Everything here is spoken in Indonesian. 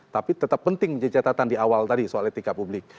tapi tetap penting menjadi catatan di awal tadi soal etika publik